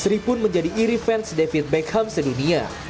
sri pun menjadi iri fans david beckham sedunia